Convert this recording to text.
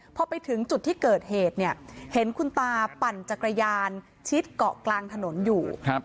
พอไปถึงจุดที่เกิดเหตุเนี่ยเห็นคุณตาปั่นจักรยานชิดเกาะกลางถนนอยู่